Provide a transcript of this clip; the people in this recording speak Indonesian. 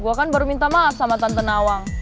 gue kan baru minta maaf sama tante nawang